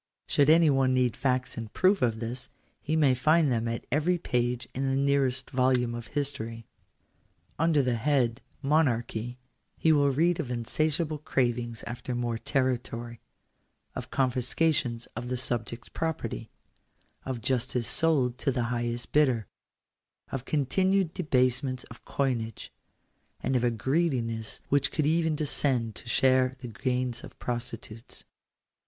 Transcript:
Should any one need facts in proof of this, be may find them at every page in the nearest volume of history. Under the head — Monarchy, he will read of insatiable cravings after more territory ; of confiscations of the subjects' property ; of justice sold to the highest bidder; of continued debasements of coinage ; and of a greediness which could even descend to share the gains of prostitutes.